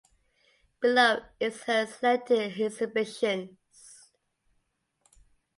Below is her selected exhibitions.